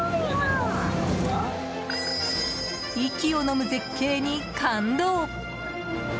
息をのむ絶景に感動。